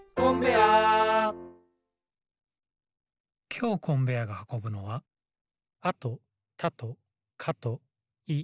きょうコンベアーがはこぶのは「あ」と「た」と「か」と「い」。